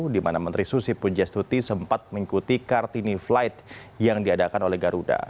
di mana menteri susi pujastuti sempat mengikuti kartini flight yang diadakan oleh garuda